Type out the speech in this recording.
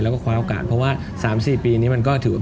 เพราะว่า๓๔ปีนี้มันก็ถือว่า